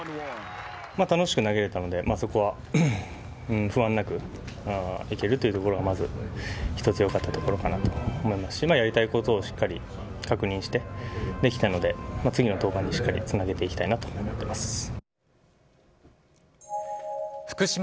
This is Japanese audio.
楽しく投げれたので、そこは不安なくいけるというところはまず１つよかったところかなと思いますし、やりたいことをしっかり確認してできたので、次の登板にしっかりつなげていきたいなと思っています。